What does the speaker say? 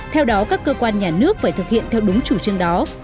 theo đó các cơ quan nhà nước phải thực hiện theo đúng chủ trương đó